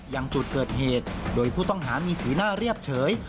อย่างจุดเกิดเหตุโดยผู้ต้องหามีสีหน้าเรียบเฉย